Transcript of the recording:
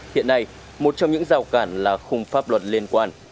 hiện nay một trong những rào cản là khung pháp luật liên quan